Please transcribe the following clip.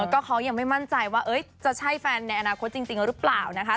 ก็เขายังไม่มั่นใจว่าจะใช่แฟนในอนาคตจริงหรือเปล่านะคะ